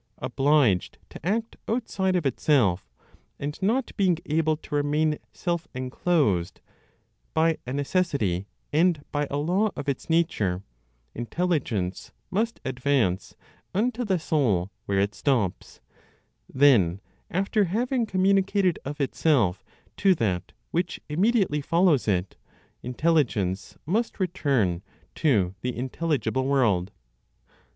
Obliged to act outside of itself, and not being able to remain self enclosed, by a necessity and by a law of its nature, intelligence must advance unto the soul where it stops; then, after having communicated of itself to that which immediately follows it, intelligence must return to the intelligible world.